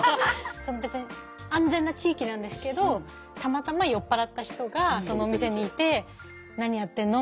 別に安全な地域なんですけどたまたま酔っ払った人がそのお店にいて「何やってんの？」